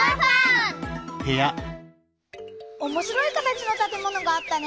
おもしろい形のたてものがあったね。